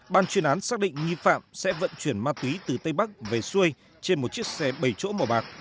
ban chuyên án xác định nghi phạm sẽ vận chuyển ma túy từ tây bắc về xuôi trên một chiếc xe bảy chỗ màu bạc